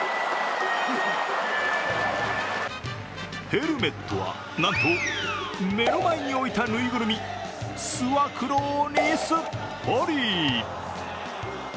ヘルメットは、なんと目の前に置いたぬいぐるみ、すわくろうにすっぽり。